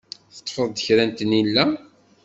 Teṭṭfeḍ kra n tnila?